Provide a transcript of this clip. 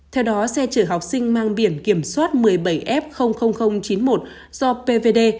theo đó xe chở học sinh mang biển kiểm soát một mươi bảy f chín mươi một do pvd